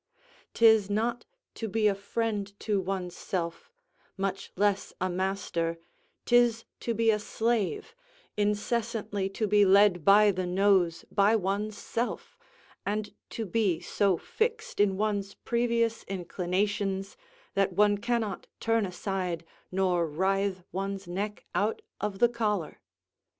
'Tis not to be a friend to one's self, much less a master 'tis to be a slave, incessantly to be led by the nose by one's self, and to be so fixed in one's previous inclinations, that one cannot turn aside nor writhe one's neck out of the collar.